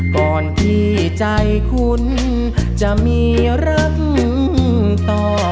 ก่อนที่ใจคุณจะมีรักต่อ